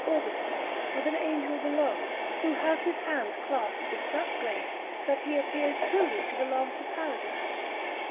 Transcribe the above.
Augustine, with an angel below, who has his hands clasped with such grace, that he appears truly to belong to Paradise.